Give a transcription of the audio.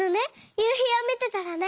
ゆうひをみてたらね。